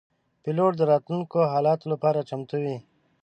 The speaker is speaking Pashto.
پیلوټ د راتلونکو حالاتو لپاره چمتو وي.